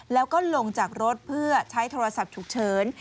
แล้วก็ลงจากรถเพื่อใช้โทรศัพท์ฉุกเฉิน